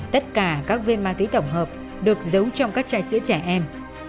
tất cả các viên ma túy tổng hợp được giấu trong các chai sữa trẻ em